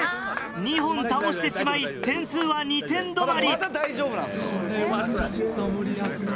２本倒してしまい点数は２点止まり。